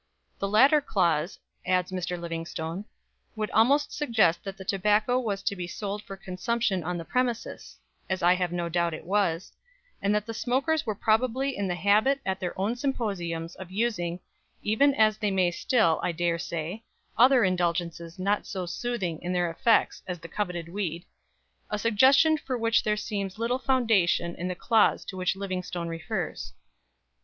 "The latter clause," adds Mr. Livingstone, "would almost suggest that the tobacco was to be sold for consumption on the premises," as I have no doubt it was "and that the smokers were probably in the habit at their symposiums of using, even as they may still, I dare say, other indulgences not so soothing in their effects as the coveted weed" a suggestion for which there seems little foundation in the clause to which Mr. Livingstone refers.